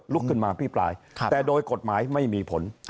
ขึ้นมาพิปรายแต่โดยกฎหมายไม่มีผล